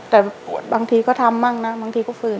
แต่ปวดบางทีก็ทำบ้างนะบางทีก็ฝืน